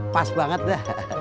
pas banget be